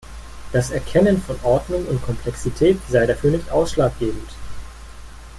Das Erkennen von Ordnung und Komplexität sei dafür nicht ausschlaggebend.